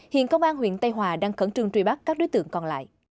hiện công an huyện tây hòa đang khẩn trương truy bắt các đối tượng còn lại